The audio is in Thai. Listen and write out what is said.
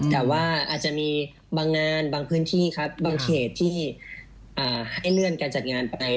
แต่ว่าอาจจะมีบางงานบางพื้นที่ครับบางเขตที่ให้เลื่อนการจัดงานไป